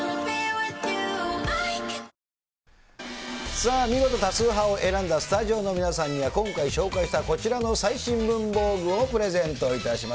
さあ、見事多数派を選んだスタジオの皆さんには、今回、紹介したこちらの最新文房具をプレゼントいたします。